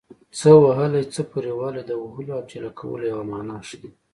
څه وهلی څه پورې وهلی د وهلو او ټېله کولو یوه مانا ښيي